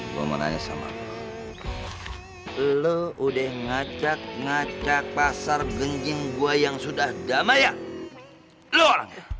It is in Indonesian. lu udah ngacak ngacak pasar genjing gua yang sudah damai ya lo